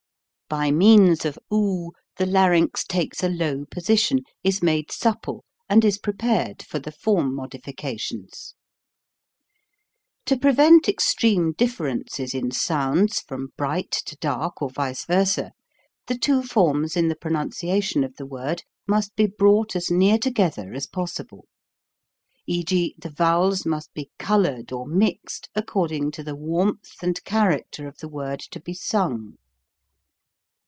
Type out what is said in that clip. By means of oo the larynx takes a low position, is made supple, and is prepared for the form modifications. 274 HOW TO SING To prevent extreme differences in sounds from bright to dark or vice versa, the two forms in the pronunciation of the word must be brought as near together as possible, e.g. the vowels must be colored or mixed according to the warmth and character of the word to be sung.